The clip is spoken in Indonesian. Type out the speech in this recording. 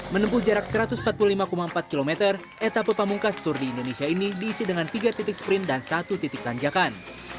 menempuh jarak satu ratus empat puluh lima empat km etapa pamungkas tour di indonesia ini diisi dengan tiga titik sprint dan satu titik tanjakan